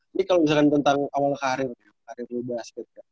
ini kalau misalkan tentang awal karir karir lu basket kak